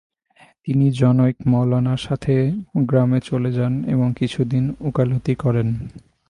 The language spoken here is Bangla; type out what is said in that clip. তিনি জনৈক মাওলানার সাথে গ্রামে চলে যান এবং কিছুদিন উকালতি করেন।